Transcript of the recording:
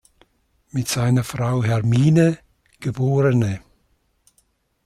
Mit seiner Frau Hermine, geb.